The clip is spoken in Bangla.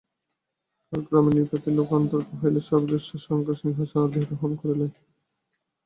কালক্রমে নৃপতির লোকান্তরপ্রাপ্তি হইলে সর্বজ্যেষ্ঠ শঙ্কু সিংহাসনে অধিরোহণ করিলেন।